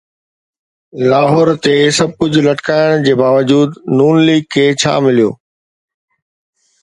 لاهور تي سڀ ڪجهه لٽڪائڻ باوجود ن ليگ کي ڇا مليو؟